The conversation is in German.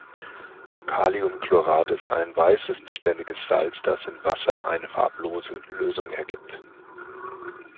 Kaliumchlorat ist ein weißes beständiges Salz, das in Wasser eine farblose Lösung ergibt.